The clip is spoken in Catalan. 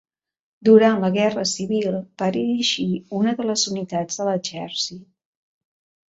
Durant la guerra civil va dirigir una de les unitats de l'exèrcit.